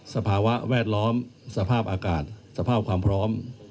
สภาวะแวดล้อมสภาพอากาศสภาพความพร้อม